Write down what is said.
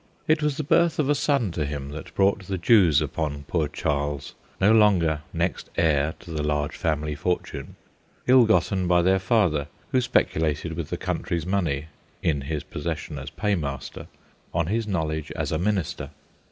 It was the birth of a son to him that brought the Jews upon poor Charles, no longer next heir to the large family fortune, ill gotten by their father, who speculated with the country's money (in his possession as paymaster) on his knowledge as a minister.